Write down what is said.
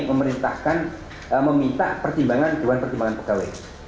memerintahkan meminta pertimbangan diwan pertimbangan pkw